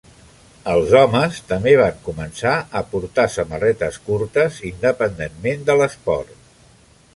Els homes també van començar a portar samarretes curtes independentment de l"esport.